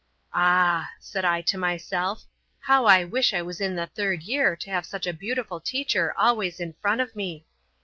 "Ah," said I to myself, "how I wish I was in the Third Year to have such a beautiful teacher always in front of me!"